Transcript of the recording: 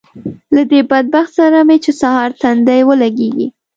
له دې بدبخت سره مې چې سهار تندی ولګېږي